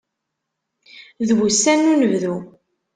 D wussan n unebdu.